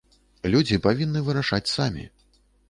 Людзі павінны вырашаць самі.